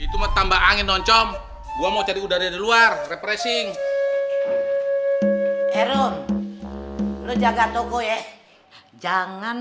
itu mau tambah angin noncom gua mau jadi udah di luar refreshing erun lu jaga toko ya jangan